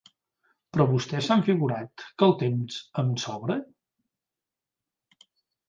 ¿Però vostès s'han figurat que el temps em sobra?